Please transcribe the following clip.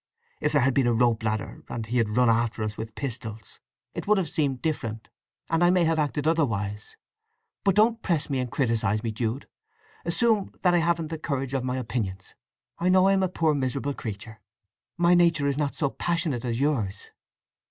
If there had been a rope ladder, and he had run after us with pistols, it would have seemed different, and I may have acted otherwise. But don't press me and criticize me, Jude! Assume that I haven't the courage of my opinions. I know I am a poor miserable creature. My nature is not so passionate as yours!"